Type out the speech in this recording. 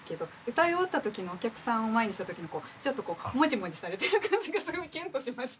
歌い終わった時のお客さんを前にした時にちょっとこうモジモジされてる感じがすごいキュンとしました。